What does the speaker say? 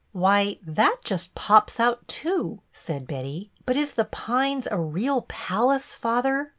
"Why, that just pops out too," said Betty. "But is The Pines a real palace, father.'